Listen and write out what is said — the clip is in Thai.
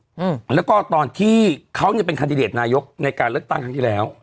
อืมแล้วก็ตอนที่เขาเนี้ยเป็นคันดิเดตนายกในการเลือกตั้งครั้งที่แล้ว